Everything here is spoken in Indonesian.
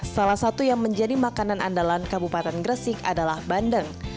salah satu yang menjadi makanan andalan kabupaten gresik adalah bandeng